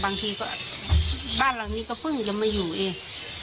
บางทีก็บ้านหลังนี้ก็เพิ่งจะมาอยู่เลย